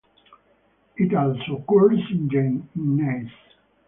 It also occurs in gneiss.